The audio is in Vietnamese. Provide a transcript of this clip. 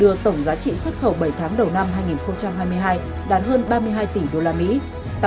đưa tổng giá trị xuất khẩu bảy tháng đầu năm hai nghìn hai mươi hai đạt hơn ba mươi hai tỷ usd